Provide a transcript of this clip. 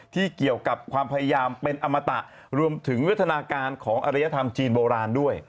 เกี่ยวกับความพยายามเป็นอมตะรวมถึงวัฒนาการของอริยธรรมจีนโบราณด้วย